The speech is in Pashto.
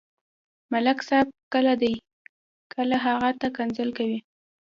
ملک صاحب کله دې، کله هغه ته کنځل کوي.